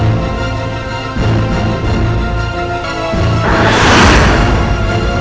karena aura beautiful